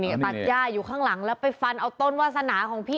นี่ตัดย่าอยู่ข้างหลังแล้วไปฟันเอาต้นวาสนาของพี่